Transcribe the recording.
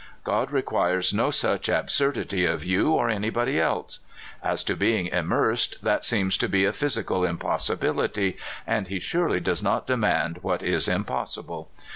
God requires no such absurdity of you or anybody else. As to being immersed, that seems to be a phys ical impossibility, and he surely does not demand what is impossible.